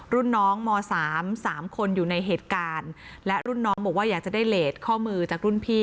รุ่นน้องม๓สามคนอยู่ในเหตุการณ์และรุ่นน้องบอกว่าอยากจะได้เลสข้อมือจากรุ่นพี่